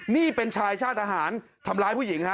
นี่เป็นชายชาติทหารทำร้ายผู้หญิงฮะ